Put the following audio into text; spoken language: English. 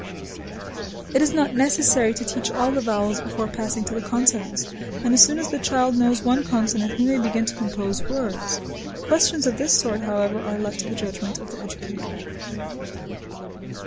It is not necessary to teach all the vowels before passing to the consonants, and as soon as the child knows one consonant he may begin to compose words. Questions of this sort, however, are left to the judgment of the educator.